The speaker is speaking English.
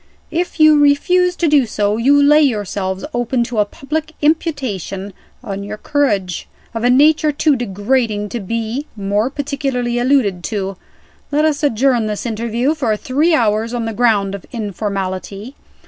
If you refuse to do so, you lay yourselves open to a public imputation on your courage, of a nature too degrading to be more particularly alluded to. Let us adjourn this interview for three hours on the ground of informality.